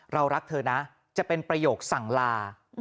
รักเธอนะจะเป็นประโยคสั่งลา